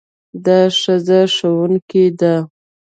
دا ښځه ښوونکې ده.